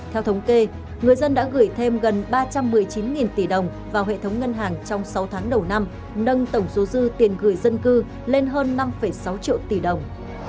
theo thống kê người dân đã gửi thêm gần ba trăm một mươi chín tỷ đồng vào hệ thống ngân hàng trong sáu tháng đầu năm nâng tổng số dư tiền gửi dân cư lên hơn năm sáu triệu tỷ đồng